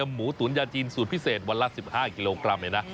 หมูตุ๋นยาจีนสูตรพิเศษวันละ๑๕กิโลกรัมเลยนะ